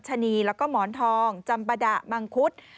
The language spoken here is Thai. ชะนีแล้วก็หมอนทองจำปะดะมังคุด